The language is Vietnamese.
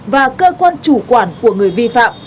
và cơ quan chủ quản của người vi phạm